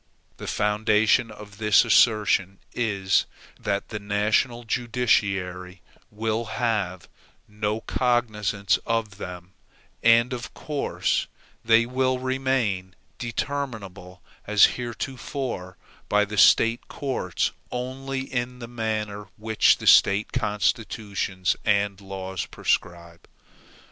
The foundation of this assertion is, that the national judiciary will have no cognizance of them, and of course they will remain determinable as heretofore by the State courts only, and in the manner which the State constitutions and laws prescribe.